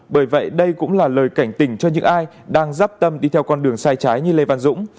bởi vậy đây cũng là lời cảnh tình cho những ai đang dắp tâm đi theo con đường sai trái như lê văn dũng